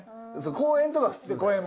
公園とか普通に。